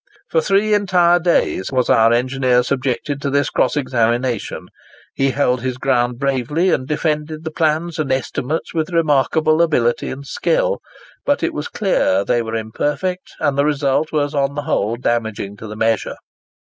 For three entire days was our engineer subjected to this cross examination. He held his ground bravely, and defended the plans and estimates with remarkable ability and skill; but it was clear they were imperfect, and the result was on the whole damaging to the measure.